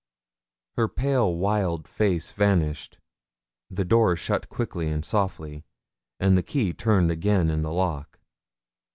Her pale wild face vanished, the door shut quickly and softly, and the key turned again in the lock.